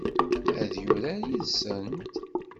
Ad yurar yid-sent?